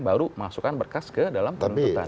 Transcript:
baru masukkan berkas ke dalam penuntutan